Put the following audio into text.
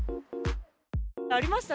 ありました！